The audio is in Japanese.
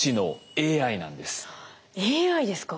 ＡＩですか。